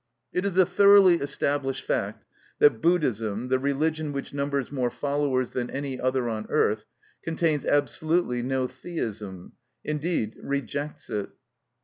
It is a thoroughly established fact that Buddhism, the religion which numbers more followers than any other on earth, contains absolutely no theism, indeed rejects it.